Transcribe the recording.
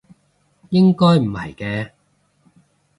應該唔係嘅